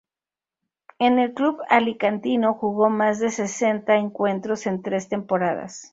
En el club alicantino jugó más de sesenta encuentros en tres temporadas.